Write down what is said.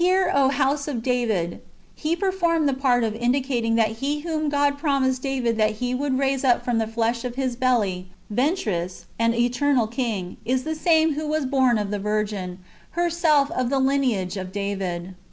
And when He says, " Hear, O house of David," ^ He performed the part of one indicating that He whom God promised David that He would raise up from the fruit of his belly (ventris) an eternal King, is the same who was born of the Virgin, herself of the lineage of David.